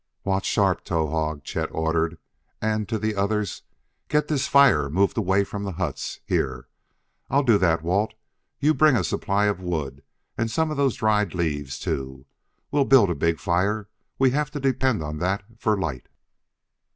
"Watch sharp, Towahg!" Chet ordered. And, to the others: "Get this fire moved away from the huts here. I'll do that, Walt. You bring a supply of wood; some of those dried leaves, too. We'll build a big fire, we have to depend on that for light."